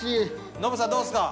ノブさんどうっすか。